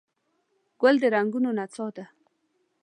ګل د رنګونو نڅا ده.